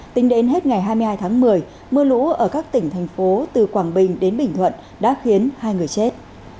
tính đến hết ngày hai mươi hai tháng một mươi mưa lũ ở các tỉnh thành phố từ quảng bình đến bình thuận đã khiến hai người chết